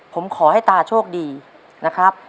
ผมขอให้ตาโชคดีนะครับ